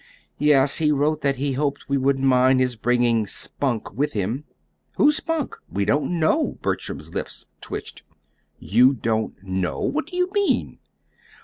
"Yes. He wrote that he hoped we wouldn't mind his bringing Spunk with him." "Who's Spunk? "We don't know." Bertram's lips twitched. "You don't know! What do you mean?"